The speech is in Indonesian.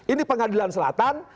ini pengadilan selatan